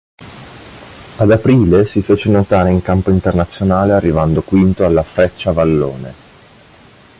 Ad aprile si fece notare in campo internazionale arrivando quinto alla Freccia Vallone.